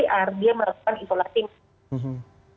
artinya dia melakukan isolasi mandiri